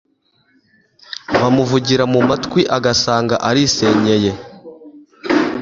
bamuvugira mu matwi agasanga arisenyeye.